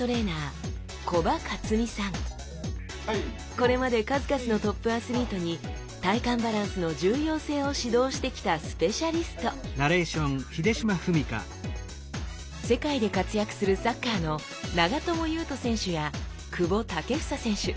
これまで数々のトップアスリートに体幹バランスの重要性を指導してきたスペシャリスト世界で活躍するサッカーの長友佑都選手や久保建英選手